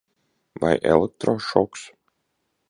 Vai elektrošoks?